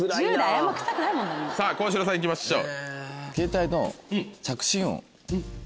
さぁ幸四郎さん行きましょう。